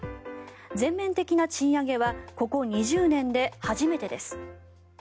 全面的な賃上げはここ２０年で初めてです。